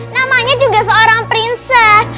namanya juga seorang prinses